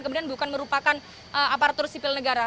kemudian bukan merupakan aparatur sipil negara